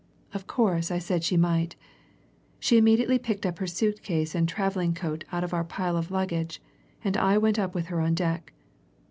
Of course I said she might. She immediately picked up her suit case and travelling coat out of our pile of luggage, and I went up with her on deck.